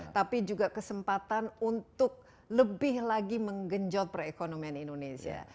tapi juga kesempatan untuk lebih lagi menggenjot perekonomian indonesia